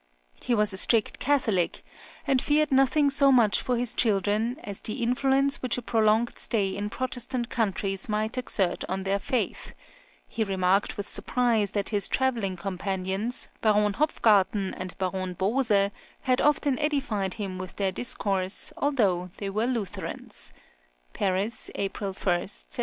He was a strict Catholic, and feared nothing so much for his children as the influence which a prolonged stay in Protestant countries might exert on their faith; he remarked with surprise that his travelling companions, Baron Hopfgarten and Baron Bose, had often edified him with their discourse, although they were Lutherans (Paris, April 1, 1764).